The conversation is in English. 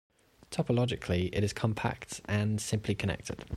Topologically, it is compact and simply connected.